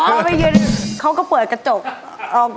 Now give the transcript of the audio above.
เราไปยืนเขาก็เปิดกระจก